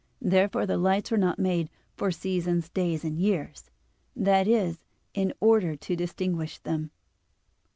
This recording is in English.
Therefore the lights were not made "for seasons, and days, and years," that is, in order to distinguish them.